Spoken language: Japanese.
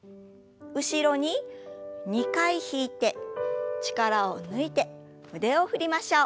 後ろに２回引いて力を抜いて腕を振りましょう。